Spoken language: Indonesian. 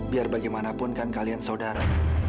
biar bagaimanapun kan kalian saudara